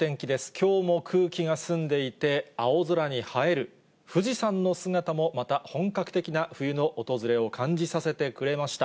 きょうも空気が澄んでいて、青空に映える富士山の姿もまた、本格的な冬の訪れを感じさせてくれました。